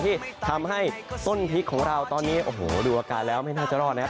ที่ทำให้ต้นพริกของเราตอนนี้โอ้โหดูอาการแล้วไม่น่าจะรอดนะครับ